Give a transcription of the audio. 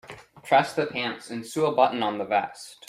Press the pants and sew a button on the vest.